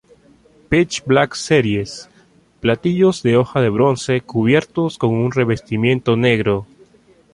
Pitch Black Series: Platillos de hoja de bronce, cubiertos con un revestimiento negro.